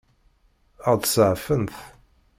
Ad ɣ-seɛfent?